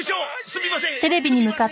すみません。